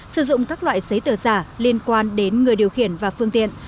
sử dụng các loại giấy tờ giả liên quan đến người điều khiển và phương tiện